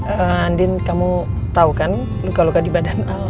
andin kamu tahu kan luka luka di badan